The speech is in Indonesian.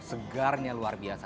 segar luar biasa